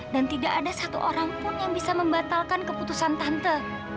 dan tidak ada satu orang pun yang bisa membatalkan keputusan tante